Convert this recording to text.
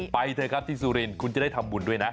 ไปเถอะครับที่สุรินทร์คุณจะได้ทำบุญด้วยนะ